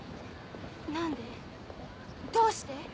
何でどうして？